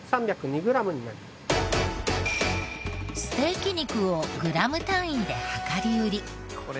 ステーキ肉をグラム単位で量り売り。